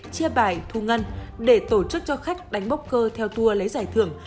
chia bài thu ngân để tổ chức cho khách đánh bốc cơ theo tour lấy giải thưởng